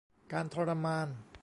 การทรมาน